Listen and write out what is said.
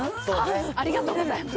ありがとうございます。